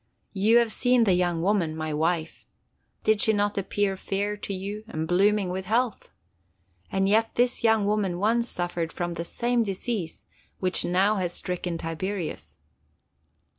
You have seen the young woman, my wife. Did she not appear fair to you, and blooming with health? And yet this young woman once suffered from the same disease which now has stricken Tiberius."